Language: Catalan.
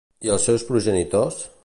I els seus progenitors?